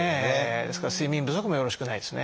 ですから睡眠不足もよろしくないですね。